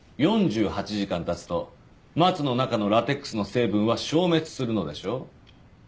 ４８時間経つとマツの中のラテックスの成分は消滅するのでしょう？